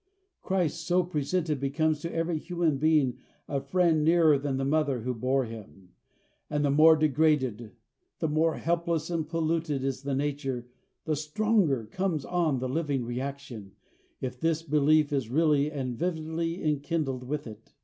Christ so presented becomes to every human being a friend nearer than the mother who bore him; and the more degraded, the more hopeless and polluted, is the nature, the stronger comes on the living reaction, if this belief is really and vividly enkindled with it.